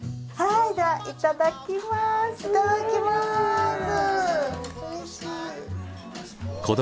いただきます。